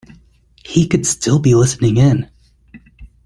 He could still be listening in.